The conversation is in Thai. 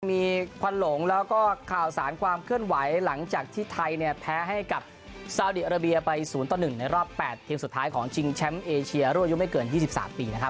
มีควันหลงแล้วก็ข่าวสารความเคลื่อนไหวหลังจากที่ไทยเนี่ยแพ้ให้กับซาวดีอาราเบียไป๐ต่อ๑ในรอบ๘ทีมสุดท้ายของชิงแชมป์เอเชียรุ่นอายุไม่เกิน๒๓ปีนะครับ